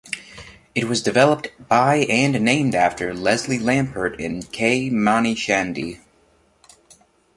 It was developed by and named after Leslie Lamport and K. Mani Chandy.